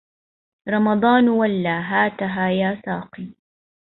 رمضان ولى هاتها يا ساقي